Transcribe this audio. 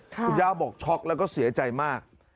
คุณย่าบอกช็อกแล้วก็เสียใจมาก